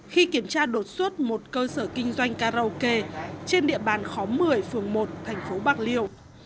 khi kiểm tra đột xuất một cơ sở kinh doanh karaoke trên địa bàn khóm một mươi phường một thành phố bạc liêu